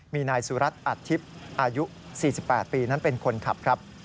มีนายสุรัตน์อัดทิพย์อายุ๔๘ปีนั้นเป็นคนขับครับ